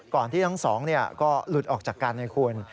ก่อนที่ทั้งสองก็หลุดออกจากการนายคุณ